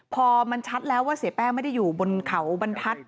พอมันชัดแล้วว่าเสียแป้งไม่ได้อยู่บนเขาบรรทัศน